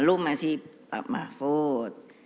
lalu masih pak mahmud